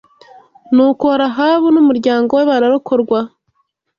Nuko Rahabu n’umuryango we bararokorwa